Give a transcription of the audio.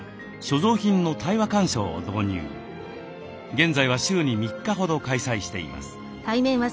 現在は週に３日ほど開催しています。